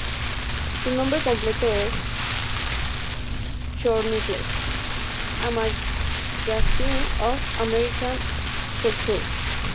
Su nombre completo es "Chronicles: A Magazine of American Culture".